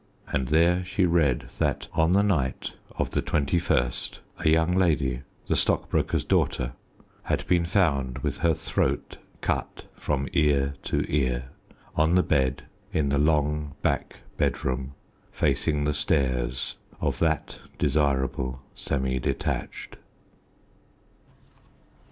And there she read that on the night of the 21st a young lady, the stockbroker's daughter, had been found, with her throat cut from ear to ear, on the bed in the long back bedroom facing the stairs of that desirable semi detached.